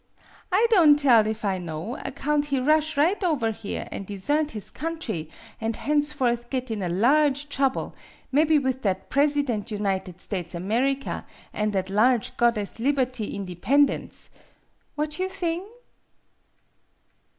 I don' tell if I know, account he rush right over here, an' desert his country, an' henceforth git in a large trouble mebby with that President United States America, an' that large God dess Liberty Independence! What you thing